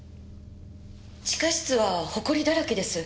地下室はほこりだらけです。